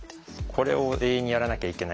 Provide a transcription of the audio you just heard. これを永遠にやらなきゃいけない。